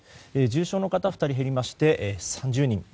重症の方は２人減りまして３０人。